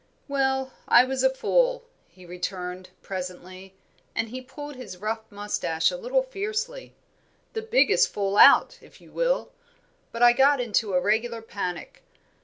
"Well, I was a fool," he returned, presently; and he pulled his rough moustache a little fiercely. "The biggest fool out, if you will; but I got into a regular panic.